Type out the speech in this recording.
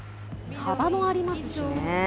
幅もありますしね。